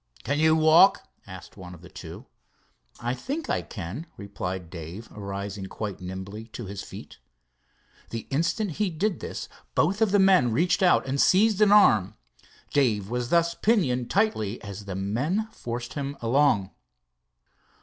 "Can you walk?" asked one of the two. "I think I can," replied Dave, arising quite nimbly to his feet. The instant he did this both of the men reached, out and seized an arm. Dave was thus pinioned tightly as the men forced him along.